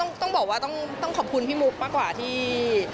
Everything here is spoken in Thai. มันก็ต้องค่อยบอกว่าต้องขอบคุณพี่มุ้วมากกว่าที่